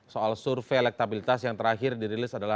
soal survei elektabilitas yang terakhir dirilis adalah